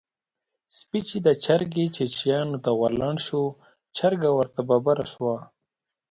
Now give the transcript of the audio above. سپی چې د چرګې چیچيانو ته ورلنډ شو؛ چرګه ورته ببره شوه.